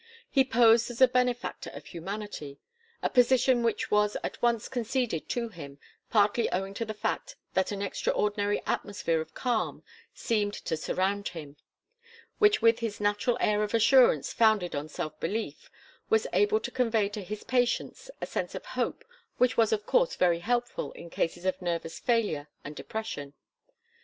He posed as a benefactor of humanity; a position which was at once conceded to him, partly owing to the fact that an extraordinary atmosphere of calm seemed to surround him, which with his natural air of assurance founded on self belief, was able to convey to his patients a sense of hope which was of course very helpful in cases of nervous failure and depression.